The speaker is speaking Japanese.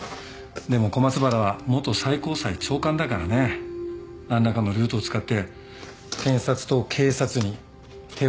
でも小松原は元最高裁長官だからね何らかのルートを使って検察と警察に手を回したんでしょう。